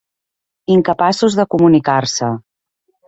Incapaços de comunicar-se.